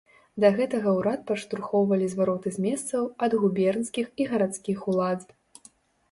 Да гэтага ўрад падштурхоўвалі звароты з месцаў, ад губернскіх і гарадскіх улад.